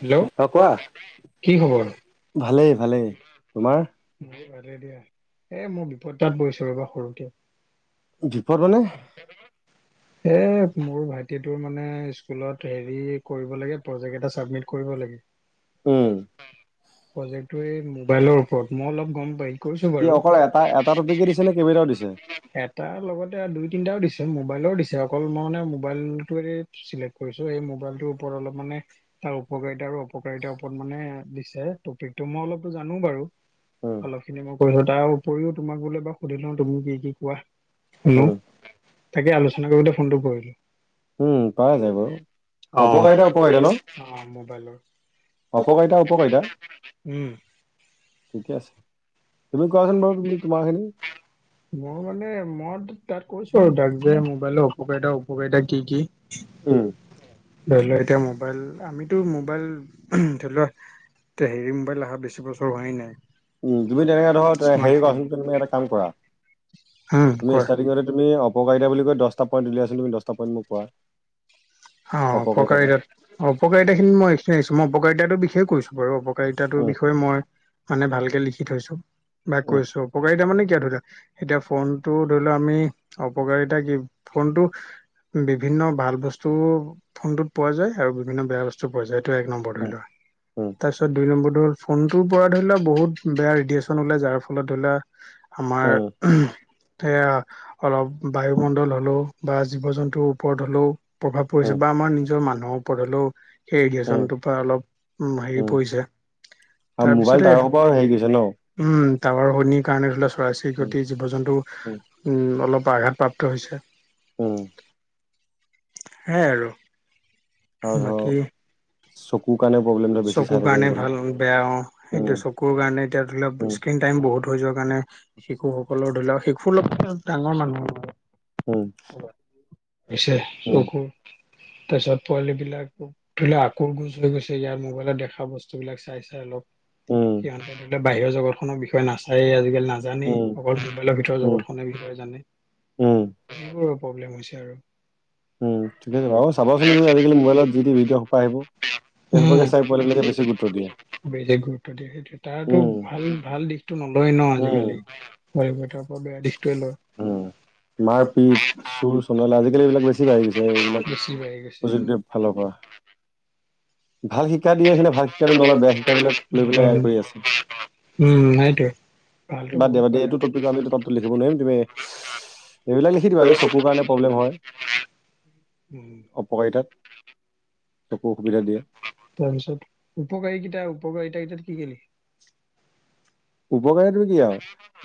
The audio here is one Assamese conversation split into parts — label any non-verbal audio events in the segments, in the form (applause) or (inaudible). হেল্ল, কোৱা, কি‌ খবৰ? ভালেই ভালে। ভালেই তোমাৰ মোৰো ভালে দিয়া, এ, মই বিপদ তাত হৈছে ৰবা সৰু কে। বিপদ মানে (unintelligible) এ, মোৰ ভাইটি তোৰ মানে স্কুলত হেৰি, কৰিব লাগে প্ৰজেক্ট এটা চাবমিট কৰিব লাগে। উম প্ৰজেক্টটো এই মোবাইলৰ ওপৰত, মই অলপ গম পাই। কৰিছো কি, বাৰু। অকল এটা এটা টপিকে দিছে নে কেইবটাঁও দিছে। এটাৰ লগতে আৰু দুই-তিনিটাঁও দিছে মোবাইলৰও দিছে। অকল মই মানে মোবাইল কৰিছো সেই মোবাইলটোৰ ওপৰত অলপ মানে তাৰ উপকাৰীতা অপকা উপকাৰিতাৰ ওপৰত মানে দিছে টপিকটো মই অলপো জানো বাৰু। উম অলপ খিনি মই কৈছো তাৰ উপৰিও তোমাক বোলে বাৰ সুধি লওঁ তুমি কি কি কোৱা। শুনো উম তাকে আলোচনা কৰিবলৈ ফোনটো কৰিলো। উম পৰা যায় বাৰু অপকাৰিতা উপকাৰিতা ন অ, মবাইল অপকাৰিতা উপকাৰিতা (inaudible) উম, ঠিকে আছে তুমি কোৱাচোন বাৰু তুমি তোমাৰ খিনি। মই মানে মই টো তাক। কৈছো আৰু তাক যে মোবাইলৰ অপকাৰিতা উপকাৰিতা কি কি। উম ধৰি লোৱা এতিয়া মোবাইল আমিতো মোবাইল ধৰি লোৱা। এ, হেৰি মোবাইল অহা বেছি বছৰ হোৱাই নাই। অ, তুমি তেনেকে ধৰা হেৰি স্মাৰ্টফোন কৰাচোন তুমি এটা কাম কৰা। উম তুমি কোৱা ষ্টাৰ্টিঙতে তুমি অপকাৰিতা বুলি কয় দহটা পইণ্ট উলিয়াই আছো তুমি দহটা পইণ্ট মোক কোৱা। অ, অপকাৰিতা অপকাৰিতাত অপকাৰিতা খিনি মই এইখিনি আহিছো মই অপকাৰিতাতো বিষয়ে কৈছো বাৰু অপ উপকাৰিতাৰ উম বিষয়ে মই মানে ভালকে লিখি থৈছো, বা উম কৈছো অপকাৰিতা মানে। কিয় ধৰিলোৱা এতিয়া ফোনটো ধৰি লোৱা আমি অপকাৰিতা কি ফোনটো। বিভিন্ন ভাল বস্তু ফোনটোত পোৱা যায় আৰু বিভিন্ন বেয়া বস্তু পোৱা যায়। এইটো এক নম্বৰ ধৰি উম লোৱা, উম তাৰ পিছত দুই নম্বৰ টো হ'ল ফোনটোৰ পৰা ধৰিলোৱা বহুত বেয়া ৰেডিৱেচ (inaudible) যাৰ ফলত ধৰিলোৱা আমাৰ। এয়া অলপ বায়ুমণ্ডল হলেঁও বা জীৱ জন্তুৰ ওপৰত হলেঁও। প্ৰভাৱ পৰিছে উম উম বা আমাৰ নিজৰ মানুহৰ ওপৰত হ'লেও। সেই উম ৰেডিয়েশচনটোৰ পৰা অলপ উ হেৰি উম পৰিছে আৰু মোবাইল তাৰপিছতে। তাৰ পৰা হেৰি কৰিছে ন উম, টাৱাৰ শনিৰ কাৰণে ধৰিলা চৰাই উম চিৰিকট জীৱ জন্তু উম অলপ আঘাতপ্ৰাপ্ত হৈছে। উম, সেয়াই আৰু বাকী। চকু কান চকুৰ কাৰণে ভাল বেয়া অ, উম সেইটো চকুৰ কাৰণে এতিয়া ধৰি লও উম স্ক্ৰন টাইম বহুত হৈ যোৱা। কাৰণে শিশুসকলৰ ধৰি লওক শিশুৰ লগ ডাঙৰ মানুহ আৰু উম, ছে উম চকু তাৰ পিছত পোৱাল বিলাক ও কুৰ গোছ হৈ গৈছে ইয়াৰ মোবাইলত দেখা বস্তুবিলাক চাই চাই অলপ উম সিহঁতে বাহিৰৰ জগতখনৰ বিষয়ে নাছাই আজিকালি নাজানেই উম অকল মোবাইলৰ ভিত উম জগতখনৰ বিষয়ে জানে। উম প্ৰব্লেম হৈছে আৰু। উম ঠিক আছে বাৰু চাবচোন তুমি আজি কালি মোবাইলত যি দি ভিডিঅ' সোপাই আহিব। সেই বেছি সোপাকে চাই গুৰুত্ব পোৱালিবিলাকে বেছি গুৰুত্ব দিয়ে দিয়ে সেইটো তাৰাতো উম ভাল ভাল দিশ (unintelligible) টো নলয় ন' উম আজিকালি ঘাৰ পৰা বেয়া দিশটোৱে লয়। উম মাৰপিট চুৰ চণ্ডাল আজিকালি এইবিলাক বেছি বাঢ়ি গৈছে এইবিলাক বেছি বাঢ়ি গৈছে। প্ৰযুক্তিৰ ফালৰ পৰা ভাল শিক্ষা দিয়ে সেইখিনি ভাল শিক্ষাটো নলয় বেয়া শিক্ষাবিলাক লৈ পেলাই এয়া কৰি (unintelligible) আছে উম, সেইটোৱ। বাদ দিয়া বাদ দে এইটো টপিকো আমিটো তাতো লিখিব নোৱাৰিম তুমি এইবিলাক লিখি দিবা যে চকুৰ কাৰণে প্ৰব্লেম হয় উম। অপকাৰিতাত। চকু অসুবিধা দিয়ে তাৰপিছত উপকাৰীকেইটা উপকাৰীতা কেইটা কি কি উপকাৰী তুমি কি আৰু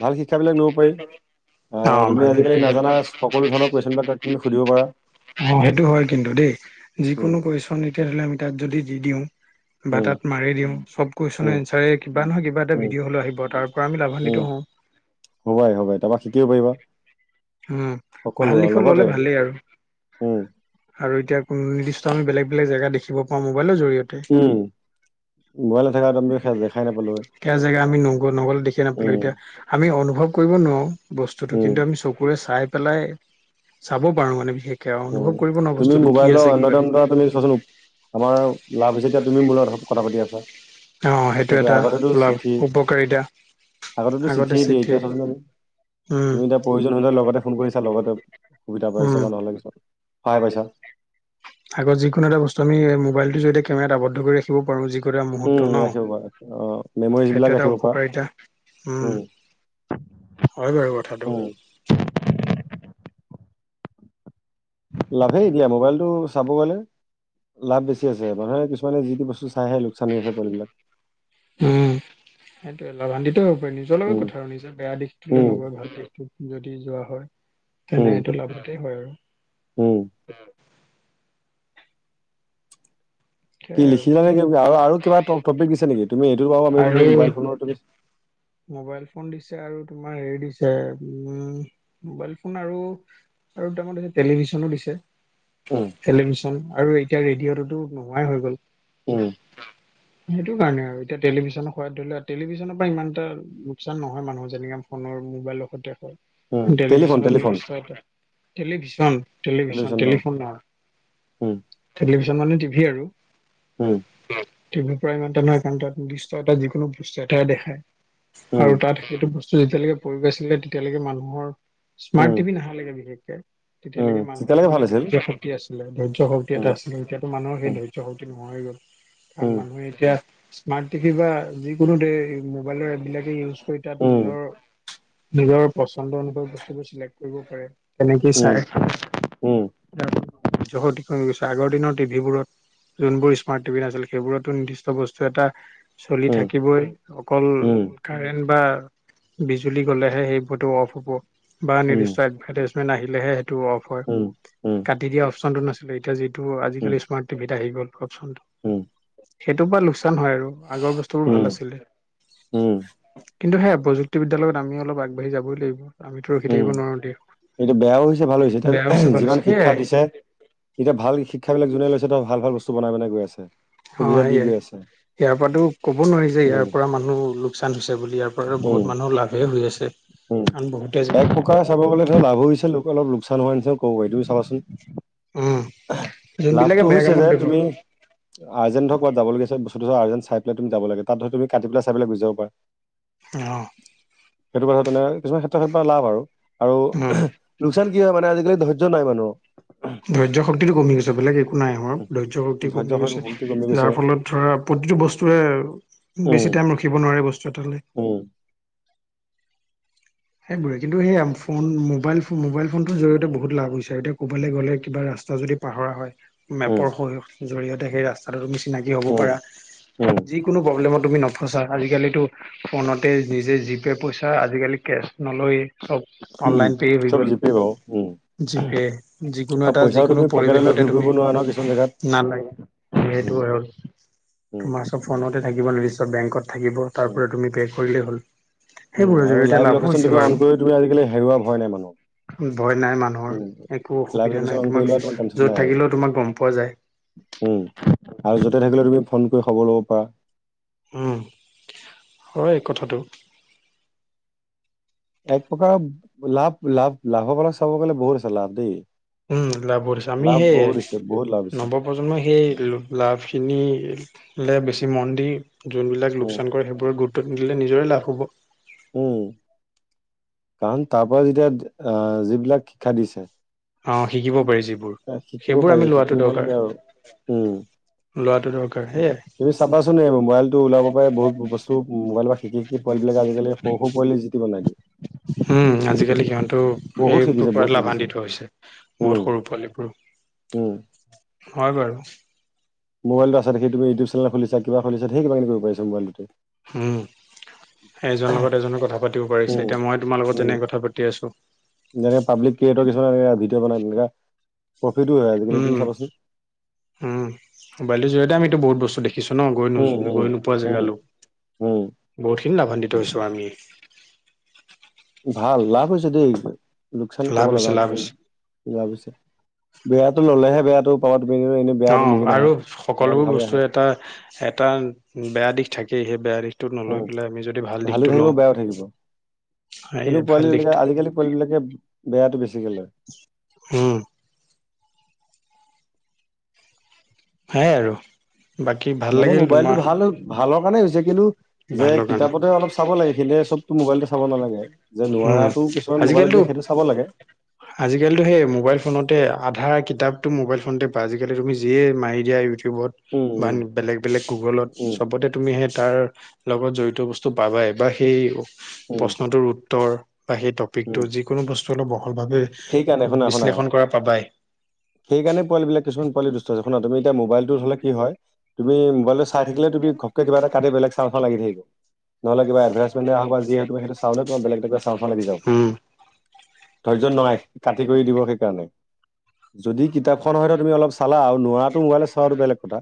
ভাল শিক্ষাবিলাক লব পাৰি। আহ অ'। তুমি আজিকালি নাজানা সকলো ধৰণৰ কুৱেশ্যন বিলাক তাত তুমি সুধিব পাৰা। সেইটো হয় কিন্তু দেই উম, যিকোনো কুৱেশচন তেতিয়াহলে আমি তাত যদি দি দিওঁ। বা উম, তাত মাৰি দিম চব কুৱেশচনৰ উম, এনঞ্চাৰে কিবা নহয় কিবা এটা উম, ভিডিঅ' হলে আহিব তাৰ পৰা আমি লাভান্বিত উম, হ। হ'বাই হবাই তাৰপা শিকিব পাৰিবা উম, ভাল সকলো আৰু দিশত ল'লে লগতে ভালেই আৰু। উ আৰু এতিয়া কোনো নিৰ্দিষ্ট আমি বেলেগ বেলেগ জেগা দেখিব পাওঁ মোবাইলৰ জৰিয়তে। উম, (unintelligible) মোবাইল (unintelligible) নাথাকা হেঁতেন আমি সে- দেখাই নাপালো হয়। সেয়া জেগা আমি নগ নগলে দেখি উম, নাপালো এতিয়া আমি (unintelligible) (unintelligible) কৰিব নোৱাৰোঁ বস্তুটো উম, কিন্তু আমি চকুৰে চাই পেলাই চাব পাৰো মানে বিশেষকে আৰু উম, অনুভৱ কৰিব ন বস্তুটো কি আছে কি (unintelligible) অ আমাৰ লাভ হৈছে এতিয়া তুমি মোৰ লগত কথা পাতি আছা। সেইটোয়ে আগতেতো চিঠি এইয়া আগতেতো চিঠিয়ে দিয়ে এতিয়া (unintelligible) উম তুমি এতিয়া প্ৰয়োজন হ'লে লগতে ফোন কৰিছা লগতে সুবিধা পাইছে উম বা নহ'লে কিছুমান সহায় পাইছা। কোনো এটা বস্তু আমি মোবাইটোৰ জৰিয়তে কেমেৰাত আবদ্ধ কৰি ৰাখিব পাৰোঁ যি (unintelligible) মুহূৰ্ত উম, ৰাখিব পাৰা অ' ন' মেমৰিজ সেইটো বিলাক এটা ৰাখিব পাৰা উপকাৰিতা উম হয় বাৰু কথাটো। উম, লাভেই এতিয়া মোবাইলটো চাব গ'লে লাভ বেছি আছে মানুহে কিছুমানে যি টি বস্তু চাইহে লোকচান হৈ আছে পোৱালিবিলাক। উম, সেইটোয় লাভাম্বিত উপাই' নিজৰ লগত উম, কথা আৰু নিজা বেয়া দিশটোেলৈ উম, নগৈ ভাল দিশটো যদি যোৱা হয়, তেনে উম, এইটো লাভতেই হয় উম, আৰু কি শেয়া লিখিলা আৰু নে কি- আৰু আৰু কিবা টপিক দিছে নেকি তুমি এইটো বাৰু আমি যদি আৰু মোবাইল ফোনৰ তুমি মোবাইল ফোন দিচ (unintelligible) আৰু তোমাৰ হেৰি দিছে আৰু উম, মোবাইল ফোন আৰু (unintelligible) টেলিভিশনো দিছে, উম, টেলিভিশন আৰু এতিয়া ৰেডিঅ'টোতো (unintelligible) হৈ গ'ল, উম সেইটো কাৰণে আৰু এতিয়া টেলিভিছনৰ সোৱাদ ধৰি ল টেলিভিছনৰ পৰা ইমান এটা লোকচান নহয় মানুহ যেনেকে ফোনৰ মোবাইলৰ সৈতে উম, (unintelligible) টেলিফোন টেলিভিশনৰ telephone news (unintelligible) television, television, television telephone উম, উম লিভছন্ মানে টিভি আৰু উম, উম (unintelligible) দৃশ্য এটা যিকোনো দৃশ্য এটা দেখায় আৰু উম, তাত সেইটো বস্তু (unintelligible) তেতিয়ালৈকে মানুহৰ স্মাৰ্ট উম, টিভি নাহালেকে বিশেষকে। উম, তেতিয়ালৈকে মানুহৰ তেতিয়ালৈকে ভাল মানে আছিল ধৈৰ্য্য শক্তি আছিলে ধৈৰ্য্য শক্তি উম, এটা আছিলে। এতিয়াতো মানুহৰ উম, ধৈৰ্য্য শক্তি নোহোৱা হৈ গ'ল। কাৰণ উম, মানুহে এতিয়া স্মাৰ্ট টি ভি বা যি (unintelligible) এই মোবাইলৰ এপবিলাকে ইউজ কৰি তাত উম, নিজৰ নিজৰ পচন্দ অনুসৰি বস্তুবোৰ চিলেক্ট কৰিব পাৰে তেনেকেই চাই। উম, উম, (unintelligible) আগৰ দিনৰ টিভিবোৰত যোনবোৰ স্মাৰ্ট টিভি নাছিল। সেইবোৰতো নিৰ্দিষ্ট বস্তু এটা চলি উম, উম, থাকিবই, অকল উম, কাৰেণ্ট বা বিজুলি গ'লেহে সেইটো ফটু অফ হ'ব বা উম, নিৰ্দিষ্ট এডভাৰ্টাইমেন্ট আহিলেহে সেইটো অফ হয়। উম। কাটি দিয়া অপশচনতটো নাছিলে। এতিয়া যিটো উম, আজিকালি স্মাৰ্ট অপচনটো, উম। সেইটোৰ পৰা লোকচান হয় আৰু আগৰ বস্তুবোৰ ভাল উম আছিলে। উম, কিন্তু সেয়া প্ৰযুক্তিবিদ্যাৰ লগত আমি অলপ আগবাঢ়ি যাবই লাগিব। আমিতো ৰখি উম, থাকিব নোৱাৰো দিয়া সেইটো বেয়াও হৈছে ভালো হৈছে এতিয়া বেয়া ভাল হৈছে যিমান শিক্ষা দিছে। সেয়াই এতিয়া ভাল শিক্ষাবিলাক যোনে লৈছে তাৰ ভাল ভাল বস্তু বনাই বনাই গৈ আছে। অ', সুবিধা দি সেয়াই। গৈ আছে ইয়াৰ পৰাতো ক'ব নোৱাৰি যে, ইয়াৰ উম, পৰা মানুহ লোকচান হৈছে। বুলি ইয়াৰ পৰাও বহুত উম, মানুহৰ লাভেই হৈ আছে। উম, কাৰণ বহুতে এক প্ৰকাৰে চাব গ'লে ধৰ লাভো হৈছে লোক অলপ লোকচ লোকচান হোৱাৰ নিচিনা ক'ব পাৰি তুমি চাবাচোন। উম যোনবিলাকে লাভটো বেয়া হৈছে কামত যে দিব তুমি আৰ্জেন্ট ধৰ ক'ৰবাত যাব লগিয়া হৈছে বস্তুটো আৰ্জেন্ট চাই পেলাই তুমি যাব লাগে তাত ধৰ তুমি কাটি পেলাই চাই গোচি যাব পাৰা। অ'। সেইটো কথা তেনে কিছুমান ক্ষেত্ৰত লাভ আৰু। আৰু উম লোকচান কি হয় মানে আজিকালি ধৈৰ্য্য নাই মানুহৰ। ধৈৰ্য্য শক্তিটো কমি গৈছে বেলেগ একো নাই হোৱা ধৈৰ্য্য শক্তি ধৈৰ্য কমি গৈছে। শক্তি কমি যাৰ গৈছে ফলত ধৰা প্ৰতিটো বস্তুৱে উম, বেছি টাইম ৰখিব নোৱাৰে বস্তু এটালৈ। উম, সেইবোৰে কিন্তু সেইয়া ফোন মাইল মোবাইল ফোনটোৰ জৰিয়তে বহুত লাভ হৈছে। এতিয়া কবালৈ গ'লে কিবা ৰা ৰাস্তা যদি পাহৰা হয়। উম, মেপৰ সহায়ত জৰিয়তে সেই ৰাস্তাটো তুমি চিনাকি হ'ব উম, পাৰা উম। যিকোনো প্ৰব্লেমত তুমি নফচা। আজিকালিতো ফোনতে নিজে জি পে' পইচা আজিকালি কেছ নলয়ে। চব উম, অনলাইন পে হৈ চব গ'ল। জিপে বাৰু উম, জী পে যিকোনো আৰু এটা পইচাও যিকোনো তুমি পকেটলৈ পৰিৱেশতে ঘূৰি তুমি ফুৰিব নোৱাৰা নহয় কিছুমান জেগাত। নালাগে উম, উম, তোমাৰ চব ফোনতে থাকিব বেংকত থাকিব তাৰ উম, পৰা তুমি পে' কৰিলেই হ'ল উম, সেইবোৰৰ আৰু জৰিয়তে লাইভ লাভো লোকেশ্যন হৈছে। তুমি বাৰু অন কৰিও তুমি আজিকালি হেৰুৱা ভয় নাই মানুহৰ। ভয় নাই উম, মানুহৰ একো লাইভ অসুবিধা লোকেশ্যন নাই অন কৰি তোমাক লোৱা তোমাৰ টেনচন য'ত নাই আৰু থাকিলেও তোমাক গম পোৱা যায়। উম, আৰু য'তে থাকিলে তুমি ফোন কৰি খবৰ ল'ব পাৰা। উম, হয় কথাটো। এক প্ৰকাৰ লাভ- লাভ-লাভৰ পৰা চাব গ'লে বহুত আছে লাভ দেই। উম, লাভ বহুত আছে। আমি লাভ হেই বহুত দিছে বহুত লাভ হৈছে নৱ প্ৰজন্মই সেই লাভখিনি লে বেছি মন দি যোনবিলাক উম, লোকচান কৰে সেইবোৰত গুৰুত্ব নিদিলে নিজৰে লাভ হ'ব। উম, কাৰণ তাৰ পৰা যেতিয়া আ যিবিলাক শিক্ষা দিছে। অ', শিকিব পাৰি যিবোৰ এ শিকিব সেইবোৰ আমি পাৰি লোৱাটো শিকিব দৰকাৰ লাগে আৰু উম। লোৱাটো দৰকাৰ সেয়াই তুমি চাবাচোনে মোবাইলটো ওলাব পাই বহুত বস্তু মোবাইলৰ পৰা শিকি শিকি পোৱা এইবিলাক আজিকালি সৰু সৰু পোৱালি যিটি বনাই দিয়ে। উম, আজিকালি সিহঁতেও বহুত সেইটোৰ শিকিছে পৰা বহুত শিকিছে লাভান্বিত হৈছে। বহুত উম সৰু পোৱালীবোৰ উম হয় বাৰু। মোবাইটো আছে দেখি তুমি ইউটউব চনেল খুলিচা কিবা খুলিচা ধেই কিবা কিবি কৰিব পাৰিছা মোবলটোতে। হম। এজনৰ লগত এজনৰ কথা পাতিব পাৰিছে উম এতিয়া মই তোমাৰ লগত উম যেনেক কথা পাতি আছো। যেনেকে পাবলিক ক্ৰিয়েটৰ কিছুমানে এনেকে ভিডঅ' বনাই তেনেকা প্ৰফিটো হয় আজিকালি উম তুমি চাবাচোন। কিছন ন গৈ নো উম উম গৈ নোপোৱা উম জেগালো উম বহুত খিনি লাম্ভাদিত হৈছো। আমি। ভাল লাভ হৈছে দেই লোকচান কব লাভ হৈছে লাভ নযাওঁ হৈছে লাভ হৈছে। বেয়াটো ললেহে বেয়াটো পাবা তুমি এনে বেয়াটো অ', নিজে নাহে আৰু পাবাটো সকলোবোৰ ভালে বস্তু আহে এটা টা বেয়া দিশ থাকেই সেই বেয়া দিশটো উম, নলৈ পেলাই আমি যদি ভাল ভালো দিশটো থাকিব লওঁ বেয়াও থাকিব সেই কিন্তু ভাল পোৱালিবিলাকে দিশটো আজিকালি পোৱালিবিলাকে বেয়াটো বেছিকৈ লয়। উম। সেইয়ায়ে আৰু। বাকী ভাল মানে লাগিল মোবাইলটো তোমাৰ ভাল, ভালৰ কাৰণে হৈছে কিন্তু যে ভালৰ কাৰণে কিতাপতে অলপ চাব লাগে সিহেতে চবতো মোবাইলতে চাব নালাগে, যে উম নোৱাৰাটো কিছুমান মোবাইলত আজিকালিতো দিয়ে সেইটো চাব লাগে। আজিকালিতো সেই মোবাইল ফোনতে। আধাৰ কিতাপটো মোবাইফনতে পাই আজিকালি তুমি যিয়ে মাৰি দিয়া উ ইউটিউবত উম, বা উম, বেলেগ, বেলেগ গুগলত উম, চবতে তুমি সেই তাৰ লগত জড়িত বস্তু পাবাই বা সেই উম, প্ৰশ্নটোৰ উত্তৰ বা সেই টপিকতো উম। যিকোনো বস্তু অলপ ব বহল ভাৱে সেইকাৰণে শুনা শুনা বিশ্লেষণ কৰা পাবাই। সেইকাৰণে পোৱালিবিলাক কিছুমান পোৱালি দুষ্ট আছে। শুনা তুমি এতিয়া মোবাইলটোত হ'লে কি হয়। তুমি মোবাইলটো চাই থাকিলে তুমি ঘপকে কিবা এটা কাটি বেলেগ চাও চাও লাগি থাকিব। নহ'লে কিবা এডভাৰটাইজমেণ্টে হওক বা যিয়ে হওক তুমি সেইটো চাওঁতে তোমাৰ বেলেগ এটা কিবা চাওঁ চাওঁ লাগি যাব। উম। ধৈৰ্য নহাই কাটি কৰি দিব সেইকাৰণে যদি কিতাপখন হয়তো তুমি অলপ চালা আৰু নোৱাৰাত তো মবাইলত চোৱা টো বেলেগ কথা।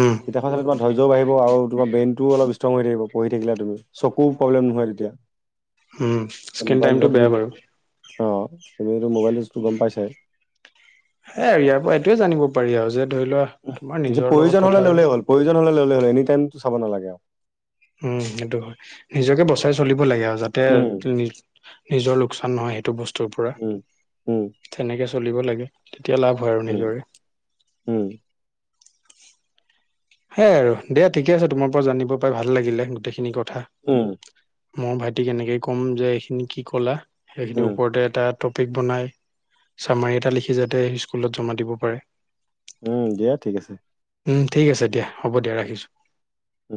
উম কিতাপখন চাল তোমাৰ ধৈৰ্যও বাঢ়িব আৰু তোম ব্ৰেইনটো অলপ ষ্ট্ৰং হৈ থাকিব পঢ়ি থাকিলে। চকু প্ৰব্লেম নহয় তেতিয়া। উম, স্কিন মোবাইল টাইমটো ধৰা তুমি বেয়া বাৰু। অ', তুমিটো মোবাইলটো গম পাইছাই। সেই ইয়াৰ পৰা এইটোয়ে জানিব পাৰি আৰু যে ধৰি লোৱা তোমাৰ যে নিজৰ প্ৰয়োজন লগত হলে কথা ল'লেই হ'ল প্ৰয়োজন হলে ল'লেই হ'ল এনি আৰু। টাইমটো চাব নালাগে আৰু। উম, সেইটো হয় নিজকে বচাই চলিব লাগে আৰু যাতে উম নিজৰ লোকচান নহয় সেইটো বস্তুৰ পৰা উম উম তেনেকে চলিব লাগে। তেতিয়া লাভ হয় আৰু উম নিজৰে। উম সেইয় আৰু দে ঠিকে আছে তোমাৰ পৰা জানিব পাই ভাল লাগিলে গোটেইখিনি কথা। উম। মই ভাইটিক এনেকে ক'ম যে এইখিনি কি কলা সেইখিনিৰ উম ওপৰতে এটা টপিক বনাই চামাৰী এটা লিখি যাতে স্কুলত জমা দিব পাৰে। উম, দিয়া ঠিক আছে। উম ঠিক আছে দিয়া হ'ব দিয়া উম, ৰাখিছোঁ। উম।